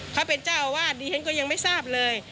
เขาเป็นเจ้าอาวาสดีฉันก็ยังไม่ทราบเลย